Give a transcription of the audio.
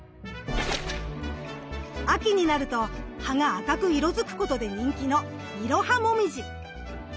秋になると葉が赤く色づくことで人気のイロハモミジ。